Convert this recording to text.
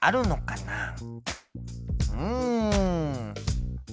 うん。